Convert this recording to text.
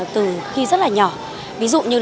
từ khi rất là nhỏ ví dụ như